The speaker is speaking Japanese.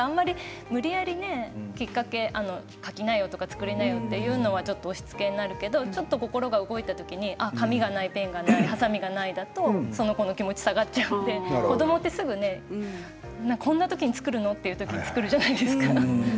無理やりきっかけ描きなよ、作りなよというのは押しつけになるけどちょっと心が動いたときに紙がない、ペンがないはさみがないだとその子の気持ちが下がってしまうので子どもってすぐにこんなときに作るの？というときに作るじゃないですか。